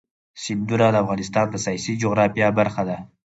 سیندونه د افغانستان د سیاسي جغرافیه برخه ده.